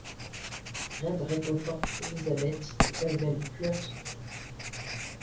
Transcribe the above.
Red réconforte Elizabeth comme elle pleure son père.